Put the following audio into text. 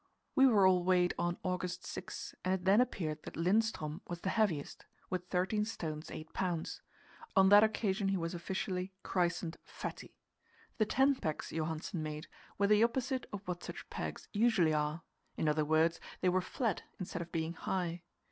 We were all weighed on August 6, and it then appeared that Lindström was the heaviest, with 13 st. 8 lbs. On that occasion he was officially christened "Fatty." The tent pegs Johansen made were the opposite of what such pegs usually are; in other words, they were flat instead of being high.